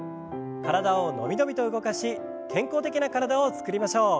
体を伸び伸びと動かし健康的な体を作りましょう。